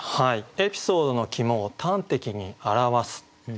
「エピソードの肝を端的に表す」。